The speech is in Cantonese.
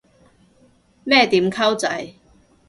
咩點溝仔